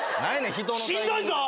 しんどいぞ！